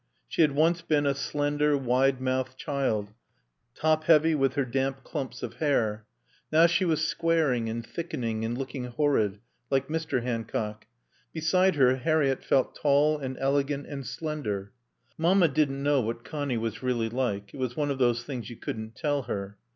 She had once been a slender, wide mouthed child, top heavy with her damp clumps of hair. Now she was squaring and thickening and looking horrid, like Mr. Hancock. Beside her Harriett felt tall and elegant and slender. Mamma didn't know what Connie was really like; it was one of those things you couldn't tell her.